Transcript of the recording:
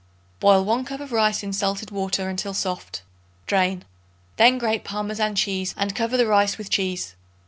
Boil 1 cup of rice in salted water until soft; drain. Then grate Parmesan cheese and cover the rice with cheese.